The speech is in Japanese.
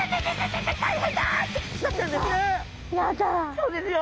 そうですよ。